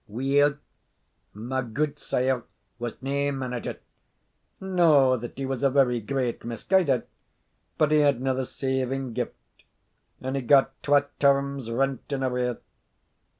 Weel, my gudesire was nae manager no that he was a very great misguider but he hadna the saving gift, and he got twa terms' rent in arrear.